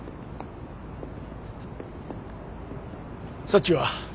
そっちは？